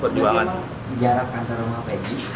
berarti emang jarak antar rumah pdi